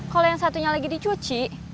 kalau yang satunya lagi dicuci